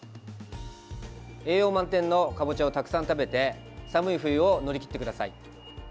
栄養満点のかぼちゃをたくさん食べて寒い冬を乗り切ってください。